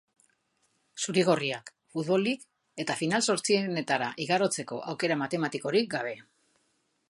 Zuri-gorriak, futbolik eta final-zortzirenetara igarotzeko aukera matematikorik gabe.